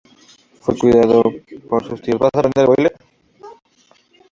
Fue cuidado por sus tíos.